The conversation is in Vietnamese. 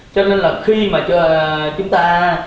cho nên là khi mà chúng ta